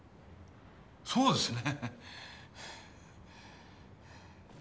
そうですね。